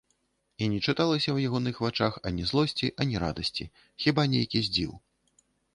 І не чыталася ў ягоных вачах ані злосці, ані радасці, хіба нейкі здзіў.